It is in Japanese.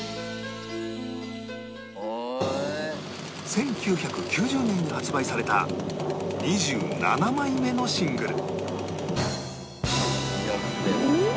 １９９０年に発売された２７枚目のシングル